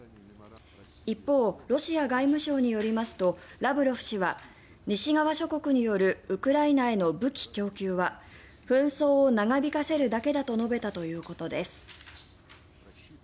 一方、ロシア外務省によりますとラブロフ氏は西側諸国によるウクライナへの武器供給は紛争を長引かせるだけだと述べたということです。